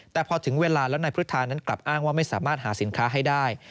แต่พอถึงเวลาแล้วนายพุทธานั้นกลับอ้างว่าไม่สามารถหาสินค้าให้ได้